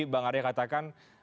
tadi bang arya katakan